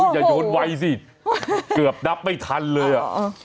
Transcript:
อย่าโยนไวสิเกือบนับไม่ทันเลยอ่ะ